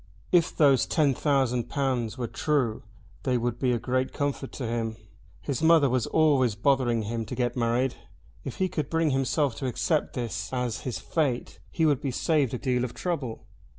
If those ten thousand pounds were true they would be a great comfort to him. His mother was always bothering him to get married. If he could bring himself to accept this as his fate he would be saved a deal of trouble.